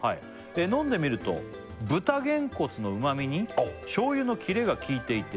「飲んでみると」「豚げんこつの旨みに醤油のキレがきいていて」